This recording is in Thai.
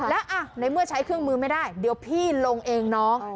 แล้วในเมื่อใช้เครื่องมือไม่ได้เดี๋ยวพี่ลงเองน้อง